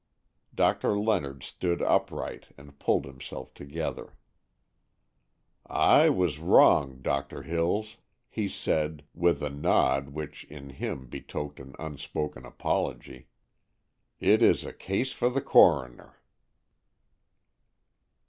Doctor Leonard stood upright and pulled himself together. "I was wrong, Doctor Hills," he said, with a nod which in him betokened an unspoken apology. "It is a case for the coroner."